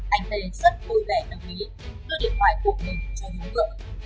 anh t rất vui vẻ đồng ý đưa điện thoại của mình cho nhóm gỡ